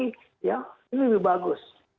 ini lebih bagus